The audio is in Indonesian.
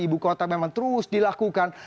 ibu kota memang terus dilakukan